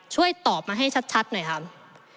ช่วยตอบมาให้ชัดหน่อยครับ